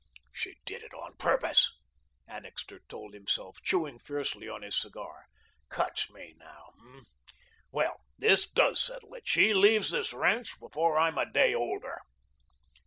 "She did it on purpose," Annixter told himself, chewing fiercely on his cigar. "Cuts me now, hey? Well, this DOES settle it. She leaves this ranch before I'm a day older."